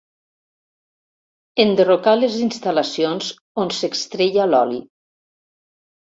Enderrocar les instal·lacions on s'extreia l'oli.